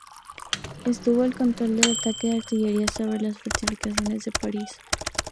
Estuvo al control del ataque de artillería sobre las fortificaciones de París.